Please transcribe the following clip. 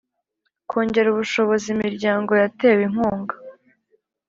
Kongera ubushobozi imiryango yatewe inkunga